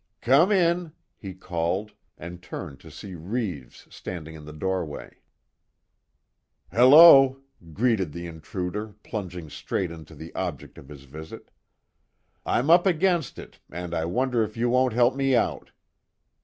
"Come in!" he called, and turned to see Reeves standing in the doorway. "Hello," greeted the intruder, plunging straight into the object of his visit, "I'm up against it, and I wonder if you won't help me out."